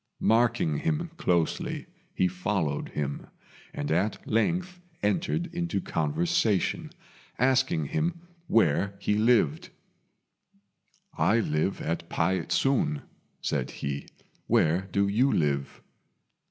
Marking him closely, he followed him, and at length entered into conversation, asking him where he lived. "I live at Pei ts'un," said he; "where do you live?"